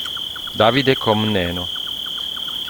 Davide Comneno